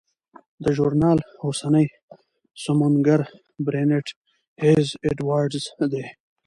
د ژورنال اوسنی سمونګر برینټ هیز اډوارډز دی.